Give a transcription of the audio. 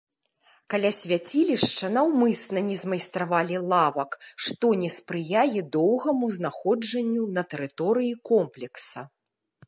Каля свяцілішча наўмысна не змайстравалі лавак, што не спрыяе доўгаму знаходжанню на тэрыторыі комплекса.